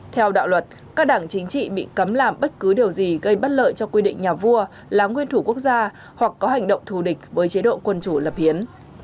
theo đạo luật các đảng chính trị bị cấm làm bất cứ điều gì gây bất lợi cho quy định nhà vua là nguyên thủ quốc gia hoặc có hành động thù địch với chế độ quân chủ lập hiến